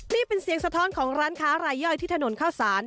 นี่เป็นเสียงสะท้อนของร้านค้ารายย่อยที่ถนนข้าวสาร